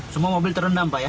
semua mobil terendam pak ya